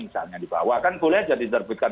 misalnya dibawa kan boleh aja diterbitkan